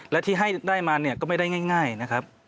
และที่ให้ได้มาเนี่ยก็ไม่ได้ง่ายนะครับ